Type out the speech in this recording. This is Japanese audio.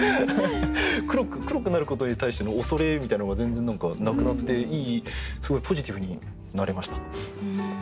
黒くなることに対しての恐れみたいなのが全然なくなってすごいポジティブになれました。